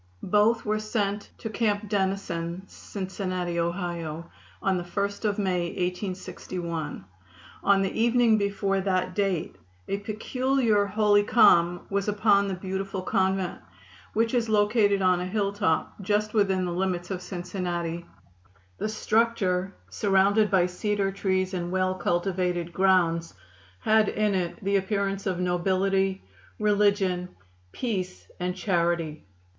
Both were sent to Camp Dennison, Cincinnati, O., on the 1st of May, 1861. On the evening before that date a peculiar holy calm was upon the beautiful convent, which is located on a hill top, just within the limits of Cincinnati. The structure, surrounded by cedar trees and well cultivated grounds, had in it the appearance of nobility, religion, peace and charity.